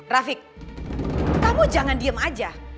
rafiq kamu jangan diem aja